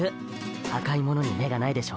赤いものに目がないでしょ。